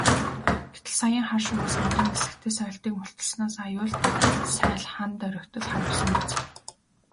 Гэтэл саяын хар шувуу сандран нисэхдээ сойлтыг мулталснаас аюулт сааль хана доргитол харвасан биз.